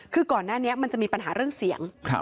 คือก่อนหน้านี้มันจะมีปัญหาเรื่องเสียง